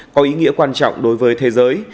có ý nghĩa quan trọng đối với thế giới